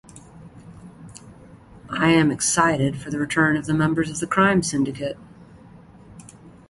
I am excited for the return of the members of the Crime Syndicate.